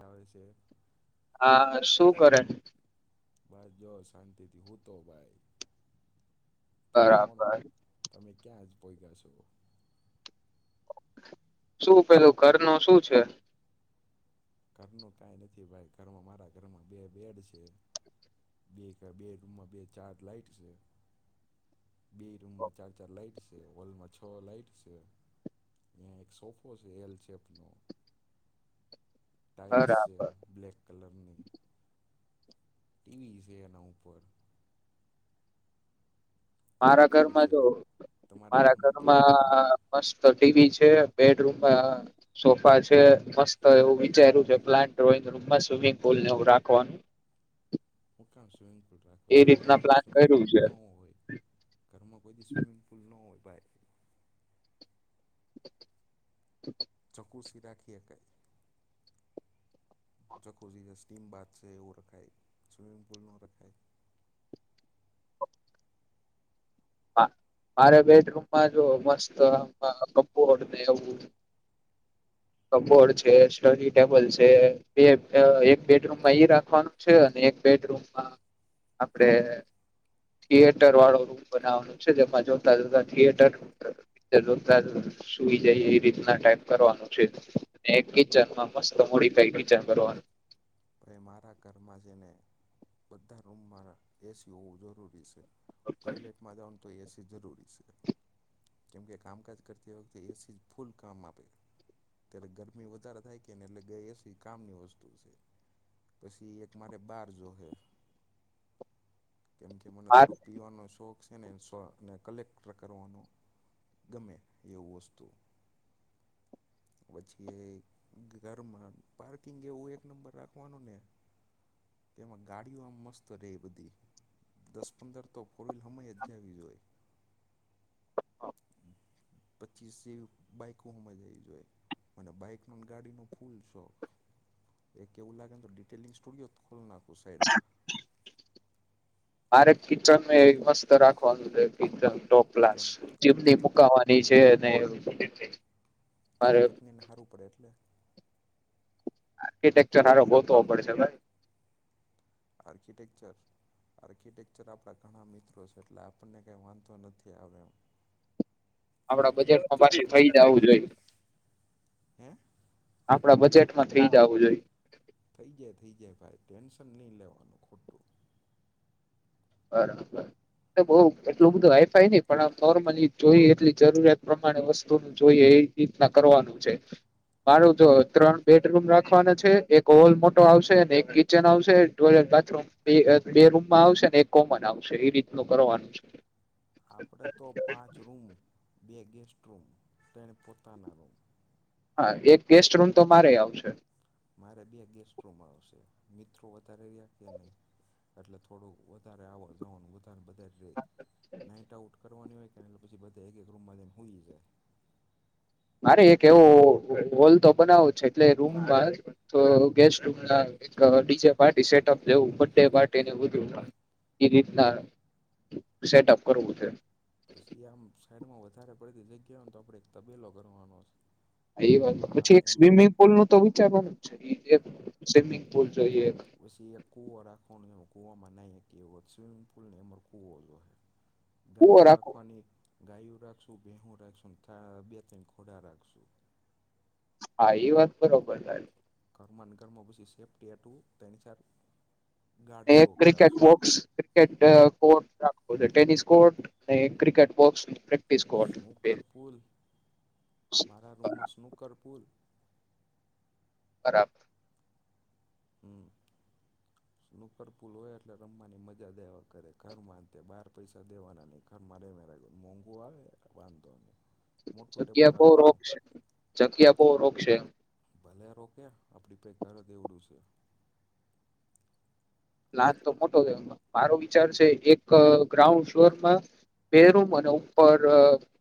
આવે છે. હા, શું કરે? બાર જો, શાંતિથી હુંતો ભાઈ. તમે કોણ, બરાબર તમે ક્યાં જ પોયગા છો શું પેલું ઘર ન શું છે? ઘરનું કઈ નથી ભાઈ ઘરમાં મારા ઘરમાં બે બેડ છે બે બે રૂમમાં બે ચાર લાઈટ છે બે રૂમમાં ચાર ચાર લાઈટ છે હોલમાં છ લાાઈટ છે એક સોફો છે એલ ટાઈલ્સ છે બરાબર બ્લેક કલરની. ટીવી એ છે એના ઉપર. મારા કિચન ઘરમાં છે જો તમારા મારા કેમ છે ઘરમાં મસ્ત ટીવી છે બેડરૂમ સોફા છે મસ્ત એવું વિચાર્યું છે પ્લાન ડ્રોઈંગ રૂમમાં સ્વિમિંગ પુલને એવું રાખવાનું. હું કામ સ્વિમિંગ એ ઘરમાં રીતના કોઈ દી પ્લાન સ્વિમિંગ કર્યું પુલ છે નો હોય. ઘરમાં કોઈ દી સ્વિમિંગ પુલ નો હોય. બાય ચુસી રાખી શકાય ચકુસી એવ રખાયમ પુલ ન રાય મારે બેડરૂમમાં જો મસ્ત કપબોર્ડ ને એવું કપબોર્ડ છે સ્ટડી ટેબલ છે બે એક બેડરૂમમાં ઈ રાખવાનું છે અને એક બેડરૂમમાં આપડે થિયટર વાળો રૂમ. બનાવાનું છે જેમાં જોતા જોતા થિયટર જોતા સુઈ જાય એ રીતના ટ કરવાનું છે કિમાં મસ્ત મોડીઈ કરવાનું ભાઈ એ મારા ઘરમાં જઈને બધા રૂમમાં એસી હોવું જરૂરી સે. ટોયલેટમાં જાવાનું તોય એસી. કામકાજ કરતી વખતે ફલ કામ આપે ત્યારે ગરમી વધારે થાય કેને એટલે એસી કામની વસ્તુ સે. પછી એક મારે બાર જોશે કેમ કે મને મારે થોડોક પીવાનો શોખ છે ને સો ને કલેક્ટ કરવાનું ગમે એવું વસ્તુ, પછી ઘરમાં પાર્કિંગ એવું એક નંબર રાખ વાનોને કે એમાં ગાડીયું આમ મસ્ત રેય બધી, દસ પંદર તો ફોર વ્હીલ તો હમાઈ જ જવી જોઈ. પચીસ જેવી બાઈકો હમાઈ જાવી જોઈ. મને બાઈક નું ને ગાડી નું ફૂલ શોખ. એક કેવલા કેુ ડિટેલિંગ સ્ટુડિયો ખોલ નાખો. સઈડમાં મારે કિચને એક મસ્ત રાખવાનું છે, કિચન ટોપ ક્લાસ કેમ જીમની તારી મુકાવાની છે. ન એવું તારી પત્ની ને હારું પડે એટલે આર્કિટેક્ચર હારો ગોતવો પડશે હો ભાઈ આર્કિટેકચર આર્કિટેકચર આપડા ઘણા મિત્રો છે એટલે આપણને કઈ વાંધો આવે એમ નથી. આપડા બજેટમાં પાછી થઈ જાવું જોઈ. હે આપડા બજેટ માં થઈ જાવું જોઈ. થઈ જાય થઇ જાય ભાઈ ટેન્શન નઈ લેવાનું ખોટું. બરાબર, ને બોવ એટલું બધું વાઇફાઈ નહી પણ આ નોર્મલી જોઈ એટલી જરૂરિયાત પ્રમાણે વસ્તુનું જોઈએ એ રીતના કરવાનું છે. મારું જો ત્રણ બેડરૂમ રાખવાનું છે. એક હોલ મોટો આવશે એક કિચન આવશે ટોયલેટ બાથરૂમ બે રૂમમાં આવશે ને એક કોમન આવશે એ રીતનું કરવાનું છે. આપડે તો પાંચ રૂમ બે ગેટ તે પોતાના રૂમ હા, એક ગેસ્ટ રૂમ તો મારે આવશે. મારે બે ગેસ્ટ રૂમ આવશે. મિત્રો વધારે રયા કે નહીં એટલે થોડું વધારે આવવા જવાનું. કાર બદલ રહે નાઇટ આઉટ કરવાની હોય કે એટલે પછી બધા એક એક રૂમમાં હોય છે. મારે એક એવો હોલ તો બનાવ છે, એટલે રૂમમાં ગેસ્ટ રમ એક ડીજે પાર્ટી સેટઅવું બે પાર્ટીને બધું એ રીતના સેટઅપ કરવું છે. પછી આમ સાઈડમાં વધારે પડેતી જગ્યાને તો આપડે એક તબેલો કરવાનો છે. એ વાત એમાં પછી એક એમાં સ્વિમિંગ પુલ નું તો વિચાર બન જ છે. એક સ્વિમિંગ પુલ છે. પછી એક કૂવો રાખવાનું. કુવામાં ન વત સ્વિમિંગ પુલ ને અમર કુવો જો કુવો દાયઓ રાખો રાખવાની ગાયું રાખશું, બેહો રાખશું અબત ઘોડા રાખશું. હા, એ વાત બરોબર તારી. ઘરમાંની ઘરમાં પછી સેફ્ટ એટું તેની સારું ક્રિકેટ બોક્સ, ક્રિકેટ કોર્ટ રાખવું ટેનિસ કોર્ટ અને cricket box court snooker pool મારા રૂમમાં સ્નુકર પુલ બરાબર. હમ નુકરપુલ હોય એટલે રમવાની મજા દેવા કરે ઘર બાર પૈસા દેવાના નઈ ઘર માં ર મોંઘુ આવે વાંધો મોટું ટેબલ જગ્યા બો રાખવાનું રોક્ષ જગ્યા બો રોક્ષશે. ભલે રોકે આપડી પ ઘર દેવડું છે. લાથ તો મોટો થમાં મારો વિચાર છે, એક ગ્રાઉન્ડ ફ્લોરમાં બે રૂમ અને ઉપર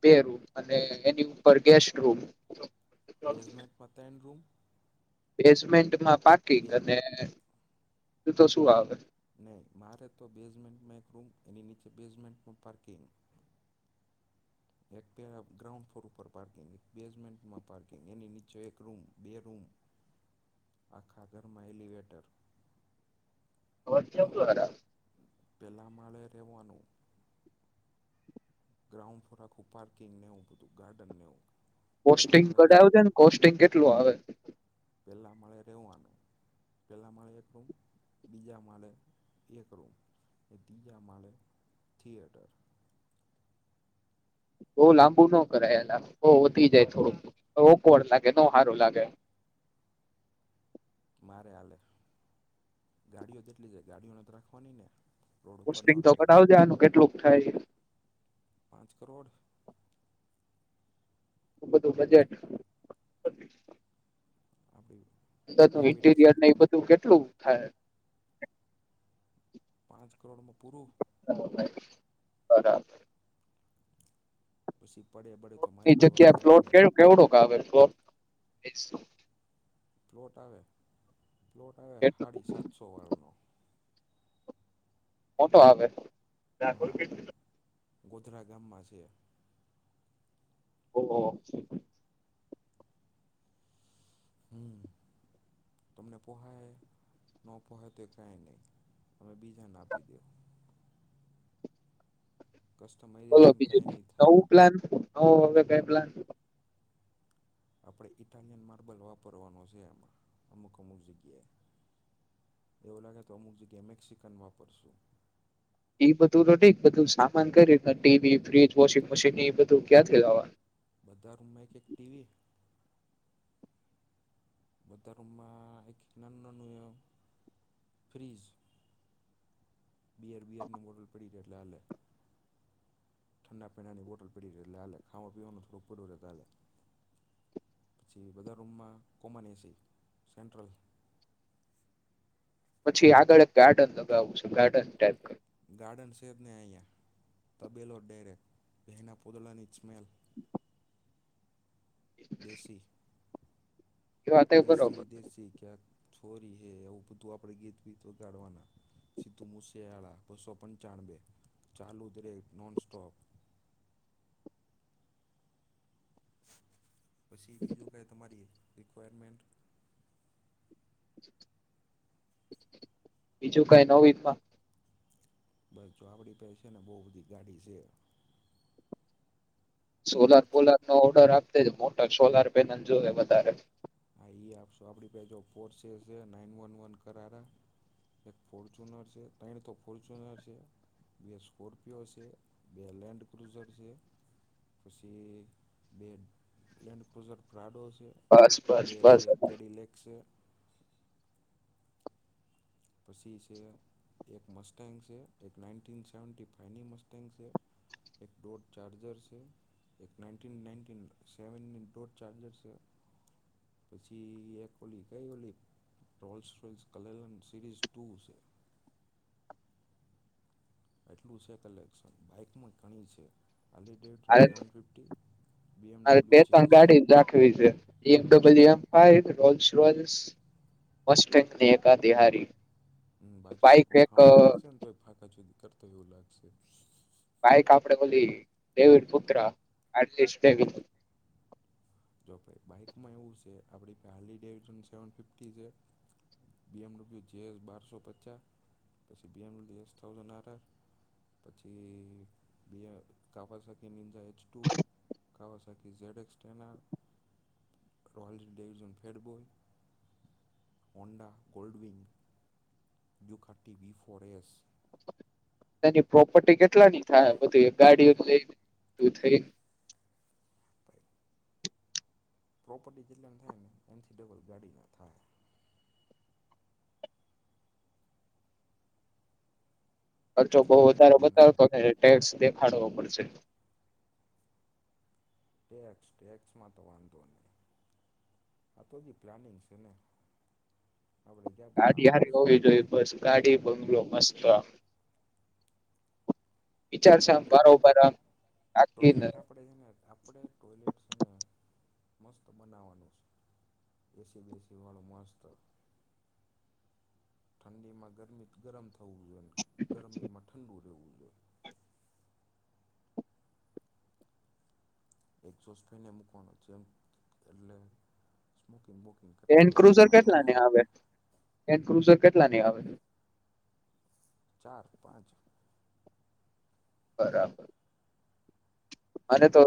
બે રૂમ અને એની ઉપર ગેસ્ટ રૂમ. બેઝમેન્ટમાંતા રૂમ બેઝમેન્ટમાં પાર્કિંગ બે અને તો શું આવે નહી મારે તો બેઝમેન્ટમાં એક રૂમ એની નીચે બેઝમેન્ટમાં પાર્કિંગ ગ્રાઉન્ ફ્લોર્કંગ બેમે પ્કિંગ એનીચ એક રૂમ બે રૂમ આખા ઘરમાંટ અરુંરા પેલા માળે રવાનું ગ્રાઉન્ડ આખું પાર્કિંગનેવું બધું ગાર્ડનવ કોસ્ટિંગ કઢાવ છે ને કોસ્ટિંગ કેટલું આવે પેલા મળે રહેવાનું પેલા મળે એક રૂમ બીજા માળે એક રૂમ ત્રીજા માળે થિયેટર બહ લાંબુ ન કરાયેલા બઉ વધી જાય થોડું ઓકોડ લાગે ન સારો લાગે મારે હાલે ગાડીઓ જેટલી છે ગાડીઓને તો રાખવાની ને રોડ ઉપર ન પુિ તો રખાય આવજ આનું કેટલુંક થાય પાંચ કરોડ બધું બજેટ અડી બધાું ઇન્ટીરિયર ને એ બધું કેટલું હાય પાંચ કરોડમાં પૂરરો [unintelligible] [inaudible] તો ની મારી જગ્યા જવાબદારી પ્લોટ નહીં કેવું કેવડું કે, આવે પ્લોટ. [inaudible] [inaudible] કેટલો [unintelligible] [unintelligible] હા [inaudible] ગોધરા ગામમાં છે. ઓહ! ઓહ. [unintelligible] બોલો કસ્ટમાઇઝેશન બીજું, કાંઈ નહીં થાય નવું પ્લાન. [unintelligible] આપણને ઈટાલિયન માર્બલ વાપરવાનો છે. એમાં અમુક અમુક જગ્યાએ એવું લાગે તો અમુક જગ્યાએ મેક્સિકન વાપરશું. એ બધું તો ઠીક. બધું સામાન કઈ રીતના ટીવી, ફ્રીજ, વોશિંગ મશીન. એ બધું ક્યાંથી લાવાના? બધા રૂમમાં એક-એક ટીવી. બધા રૂમમાં એક-એક નાનું નાનું ફ્રીજ. બિયાર બિયરની બોટલ પડી એટલે હાલે. ઠંડા પેણાની બોટલ પડી એટલે આલે. ખાવા પીવાનું થોડું પડું રહે. પછી બધા રૂમમાં કોમન એસી સેન્ટ્રલ. પછી આગળ એક ગાર્ડન લગાવવું છે. Garden type. ગાર્ડન છે જ ને અહીંયા. તબેલો ડાયરેક્ટ, એના પોતળા ની સ્મેલ. દેશી. એ વાત એ બરોબર દેશી દેશી ક્યાં? છોરી હે એવું બધું આપે ગીતીત વગાડવાના. સીધું મુસેળા બસો પંચાનવે, ચાલુ દરેક નોન સ્ટોપ. પછી બીજું કઈ તમારી? રિક્વાયરમેન્ટન્ટ. [inaudible] બીજું કઈ નવવી માં? બસ, જો આપડી પાહે છે ને બહુ બધી ગાડી છે. સોલાત ફોર્ચ્યુન બોલાદ નો ઓર્ડર આપ. મોટા સોલાર પેનલ જોવે વધારે. હા આપશો આપડી ફોર્સે છે નાઈન વન વન કરારા એક ફોર્ચુનર છે. ત્રણ તો ફોર્ચુનર છે. બે સ્કોર્પિયો છે. બે લેન્ડ કુઝર છે. પછી બે લેન્ ક્રુઝરાડો બસ. બસ બે બસ છે કેડીલેક છે. પ એક મ છે. એક ના સેવ ફની મ છે. એકો ચાર્જર છે. એક ના ના સેવની ચાર્જર છે. પછી એક ઓલી કઈ ઓલીલ્. સિરીઝ ટુ છે. એટલું છે કલેક્શન બાઇકમાં ઘણી છે. અલી ડેટ મારે સેવન ફિફ્ટી બી બે એમડબલ્યુ જે ત્રણ એસ. ગાડી રાખવી છે [unintelligible] હમ બાજુ બાઈક એક માં [inaudible] [inaudible] બાઈક આપડે પેલી ડેવિડ પુત્ર [unintelligible] જો ભાઈ બાઈકમાં એવું છે, આપડી હડેવન સેવન ફિફ્ટી છે, બી એમ ડબલુ જેસ બારસો પચાસ પછી B M blue S thousand R R પછી બ Kawasaki Ninja H two Kawasaki Z X ten R [inaudible] [inaudible] એની પ્રોપટી કેટલાની થાય સે બધી ગાડીઓ લય થઈ [unintelligible] ખરચો જો બો એટલી વધારે ગણતરી લઈને આવ્યો બતાવતો ટેક્સ દેખાડવો મળ સે ટેક્સ ટેક્સમાં તો વાંધો નહી આ તો જે પ્લાનિંગ છે ને આપણે ક્યાં ગાડી બનાવવાનું હારી છે હોવી જોઈએ બસ ગાડી બંગલો મસ્ત વિચાર છે હ આમ જો બારોબાર આમ આખી ટોયલેટ આપણેે છે, ને આપણે ટોલેટ છે, ને મસ્ત બનાવાનું છે, એસી બેસી વાળું મસ્ત ઠંડીમાં ગરમી ગરમ થવું જોઈએ, ગરમીમાં ઠંડુ રહેવું જોઈએ [unintelligible] એન હોય તો ક્રુઝર વાંધો ન કેટલા ની આવે એન ક્રુઝર કેટલા ની આવે ચાર પાંચ બરાબર અને તો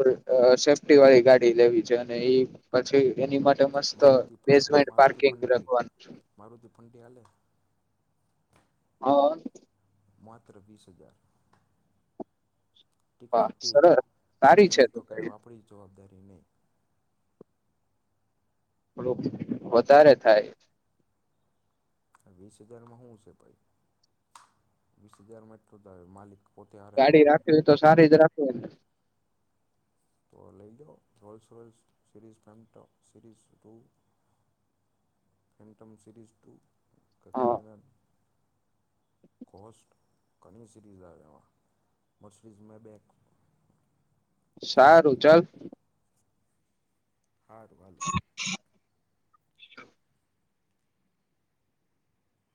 સેફ્ટી વાળી ગાડી લેવી છે અને એ પછી એની મસ્ત મારુતિ ફ બેઝમેન્ટ મારુતિ પાર્કિંગ ફંટી લખવાનું [unintelligible] હા. માત્ર વીસ હજાર. ટીકડે વાહ ટીક. સરસ સારી ઊભી છે રહે તો કાંઈ ગાડી. આપણી જવાબદારી નહીં [unintelligible] વધારે થાય. વીસ હજારમાં હુ સે ભાઈ, વીસ હજારમાં એટલું જ આવે માલિક. પોતે હારે ન ગાડી આવે રાખવી હોય તો સારી જ રાખ ખું ને. તો લઈ લો Rolls Royce, series Phantom, series two, Phantom series two. હા [unintelligible] કોસ્ટ ઘણી સિરીઝ આવે એમાં. મર્સીડિઝ માંએ બેક સારું ચાલ. હારું હાલો.